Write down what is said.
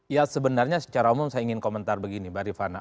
ya sebenarnya secara umum saya ingin komentar begini mbak rifana